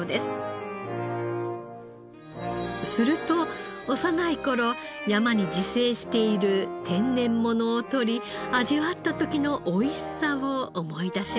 すると幼い頃山に自生している天然物をとり味わった時の美味しさを思い出しました。